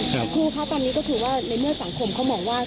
ครูคะตอนนี้ก็คือว่าในเมื่อสังคมเขามองว่า